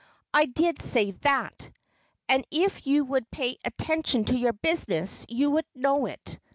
I did say that! and if you would pay attention to your business you would know it!